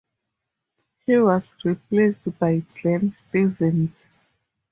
He was replaced by Glenn Stevens.